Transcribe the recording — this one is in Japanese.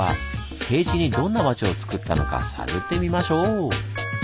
低地にどんな町をつくったのか探ってみましょう！